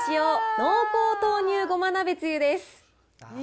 濃厚豆乳ごま鍋つゆです。